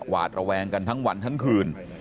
หวาดระแวงกันทั้งวันทั้งคืน